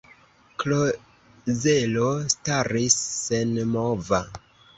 Klozelo staris senmova.